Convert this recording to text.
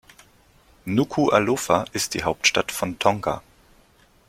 Nukuʻalofa ist die Hauptstadt von Tonga.